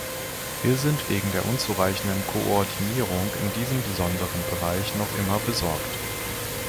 Wir sind wegen der unzureichenden Koordinierung in diesem besonderen Bereich noch immer besorgt.